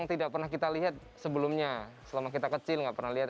tak semudah yang terlihat